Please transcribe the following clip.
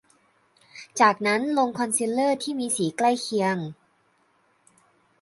จากนั้นลงคอนซีลเลอร์ที่มีสีใกล้เคียง